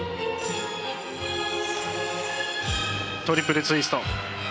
トリプルツイスト。